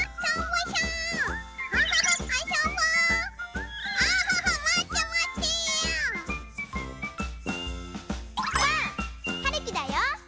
ばあっ！はるきだよ。